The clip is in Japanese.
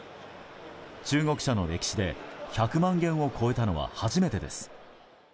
中国車の歴史で、１００万元を超えたのは初めてです。